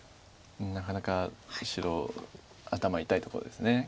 なかなか白頭痛いところです。